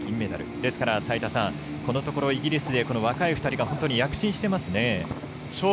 ですから、このところイギリス勢若い２人が躍進していますね。